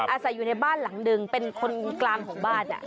อาศัยอยู่ในบ้านหลังหนึ่งเป็นคนกลางของบ้าน